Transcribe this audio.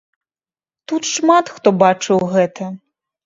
Тут шмат хто бачыў гэта.